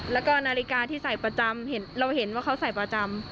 แล้วก็นาฬิกาที่ใส่ประจำเราเห็นว่าเขาใส่ประจำ